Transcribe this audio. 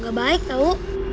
gak baik tau